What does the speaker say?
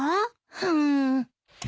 うん。